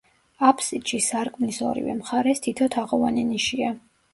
აფსიდში, სარკმლის ორივე მხარეს, თითო თაღოვანი ნიშია.